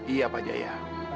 iya pak jaya